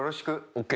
ＯＫ！